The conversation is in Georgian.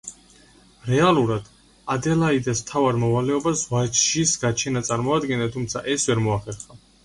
რეალურად, ადელაიდას მთავარ მოვალეობას ვაჟის გაჩენა წარმოადგენდა, თუმცა ეს ვერ მოახერხა.